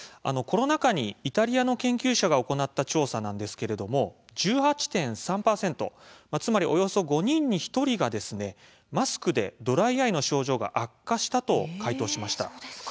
コロナ禍にイタリアの研究者が行った調査なんですけれども１８．３％つまりおよそ５人に１人がマスクでドライアイの症状が悪化したと回答しました。